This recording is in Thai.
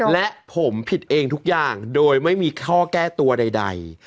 และผมผิดเองทุกอย่างโดยไม่มีข้อแก้ตัวใด